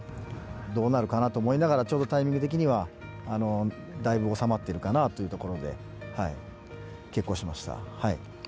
どうなるかなと思いながら、ちょうどタイミング的には、だいぶ収まってるかなというところで、決行しました。